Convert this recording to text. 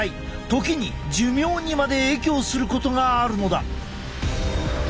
時に寿命にまで影響することがあるのだ。